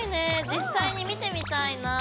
実際に見てみたいな。